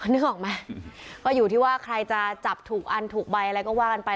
นึกออกไหมก็อยู่ที่ว่าใครจะจับถูกอันถูกใบอะไรก็ว่ากันไป